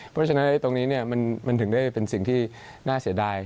เพราะฉะนั้นตรงนี้มันถึงได้เป็นสิ่งที่น่าเสียดาย